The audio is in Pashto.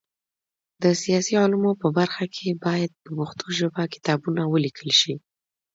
د سیاسي علومو په برخه کي باید په پښتو ژبه کتابونه ولیکل سي.